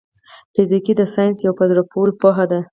فزيک د ساينس يو په زړه پوري پوهه ده.